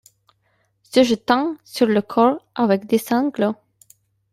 Se jetant sur le corps avec des sanglots.